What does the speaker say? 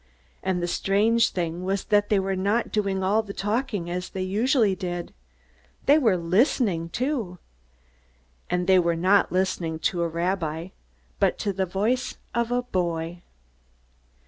And the strange thing was that they were not doing all the talking as they usually did. They were listening too. And they were not listening to a rabbi, but to the voice of a boy.